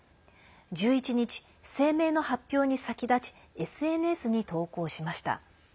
１１日、声明の発表に先立ちＳＮＳに投稿しました。